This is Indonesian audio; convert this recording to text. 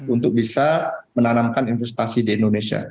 untuk bisa menanamkan investasi di indonesia